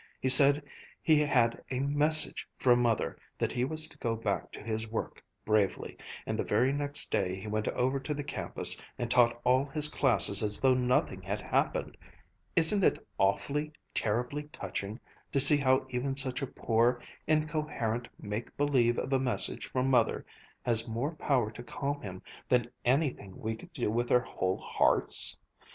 He said he had 'a message' from Mother that he was to go back to his work bravely; and the very next day he went over to the campus, and taught all his classes as though nothing had happened. Isn't it awfully, terribly touching to see how even such a poor, incoherent make believe of a 'message' from Mother has more power to calm him than anything we could do with our whole hearts?